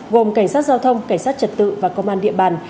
gồm cảnh sát giao thông cảnh sát trật tự và công an địa bàn